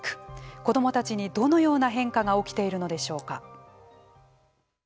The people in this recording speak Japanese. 子どもたちにどのような変化が起きているのでしょうか？